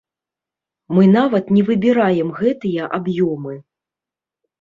Мы нават не выбіраем гэтыя аб'ёмы.